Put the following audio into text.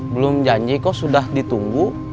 belum janji kok sudah ditunggu